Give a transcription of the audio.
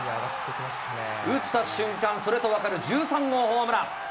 打った瞬間、それと分かる１３号ホームラン。